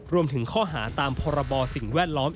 รวมถึงข้อหาตามพรบสิ่งแวดล้อม